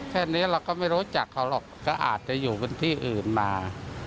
แค่นี้เราก็ไม่รู้จักเขาหรอกก็อาจจะอยู่บนที่อื่นมา